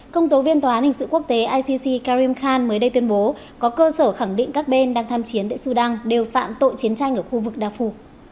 công tố viên tòa án hình sự quốc tế icc karim khan mới đây tuyên bố có cơ sở khẳng định các bên đang tham chiến tại sudan đều phạm tội chiến tranh ở khu vực đa phu